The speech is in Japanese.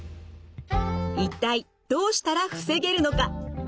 一体どうしたら防げるのか？